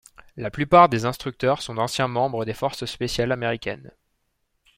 La plupart des instructeurs sont d'anciens membres des forces spéciales américaines.